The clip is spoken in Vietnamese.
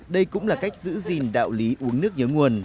đây cũng là cách giữ gìn đạo lý uống nước nhớ nguồn